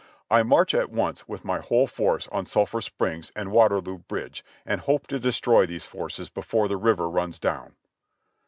I march at once with my whole force on Sulphur Springs and Waterloo Bridge, and hope to destroy these forces before the river runs down."